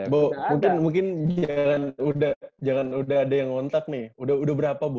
bo mungkin jangan udah ada yang ngontak nih udah berapa bo